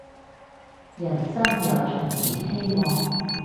人生又重燃希望